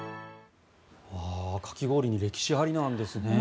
かき氷に歴史ありなんですね。